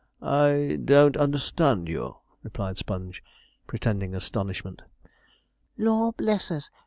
'I don't understand you,' replied Sponge, pretending astonishment. 'Lor bless us!